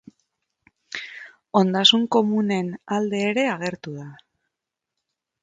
Ondasun komunen alde ere agertu da.